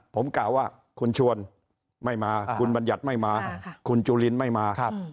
ผมกล่าวว่าคุณชวนไม่มาคุณบัญญัติไม่มาคุณจุลินไม่มา